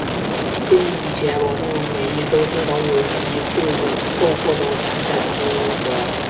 并且保证每一洲至少有一队伍都获得参加资格。